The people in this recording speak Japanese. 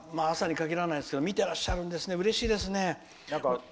朝に限らないですけど見てらっしゃるんですねうれしいですね。